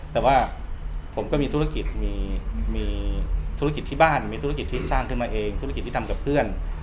แต่ว่าผมก็มีธุรกิจมีธุรกิจที่บ้านมีธุรกิจที่สร้างขึ้นมาเองธุรกิจที่ทำกับเพื่อน